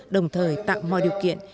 đồng thời tặng mọi điều kiện